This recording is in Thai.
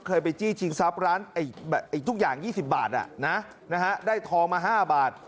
เคยไปจี้ชิงทรัพย์ร้านทุกอย่าง๒๐บาทได้ทองมา๕บาท